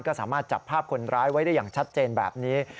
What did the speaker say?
ก็สามารถจับภาพคนร้ายไว้ได้อย่างชัดเจนแบบนี้